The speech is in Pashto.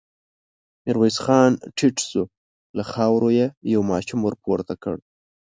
ميرويس خان ټيټ شو، له خاورو يې يو ماشوم ور پورته کړ.